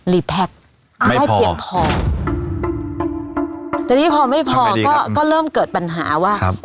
ไม่พอให้เปลี่ยนพอทีนี้พอไม่พอก็ก็เริ่มเกิดปัญหาว่าครับ